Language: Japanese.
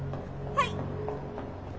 はい！